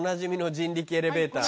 人力エレベーター。